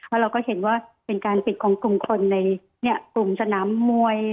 แล้วเราก็เห็นว่าเป็นการปิดของกลุ่มคนในกลุ่มสนามมวย